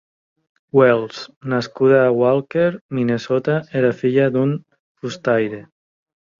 Welsh, nascuda a Walker, Minnesota, era filla d'un fustaire.